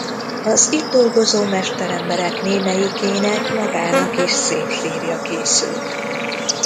Az itt dolgozó mesteremberek némelyikének magának is szép sírja készült.